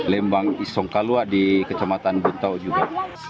lembang isong kaluah di kecamatan buntau juga